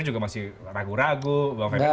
juga masih ragu ragu bang ferdinand